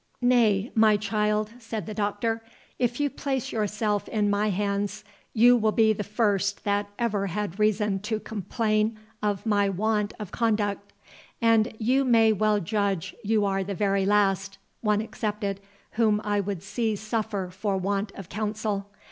"Nay, my child," said the Doctor, "if you place yourself in my hands, you will be the first that ever had reason to complain of my want of conduct, and you may well judge you are the very last (one excepted) whom I would see suffer for want of counsel.